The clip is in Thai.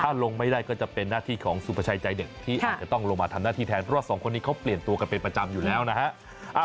ถ้าลงไม่ได้ก็จะเป็นหน้าที่ของสุภาชัยใจเด็ดที่อาจจะต้องลงมาทำหน้าที่แทนเพราะว่าสองคนนี้เขาเปลี่ยนตัวกันเป็นประจำอยู่แล้วนะฮะ